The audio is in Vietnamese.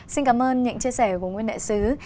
xin cảm ơn những chia sẻ của nguyên đại sứ